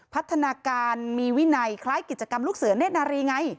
พัฒนาการมีวินัยคล้ายกิจกรรมลูกเสือเนธนารีไง